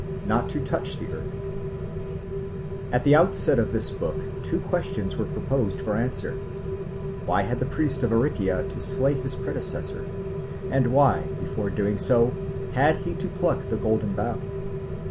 Not to touch the Earth AT THE OUTSET of this book two questions were proposed for answer: Why had the priest of Aricia to slay his predecessor? And why, before doing so, had he to pluck the Golden Bough?